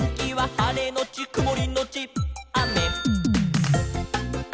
「はれのちくもりのちあめ」